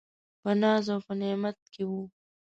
په ناز او په نعمت کي و .